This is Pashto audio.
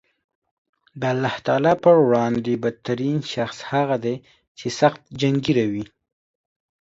د الله تعالی په وړاندې بد ترین شخص هغه دی چې سخت جنګېره وي